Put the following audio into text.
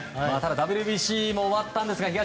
ＷＢＣも終わったんですが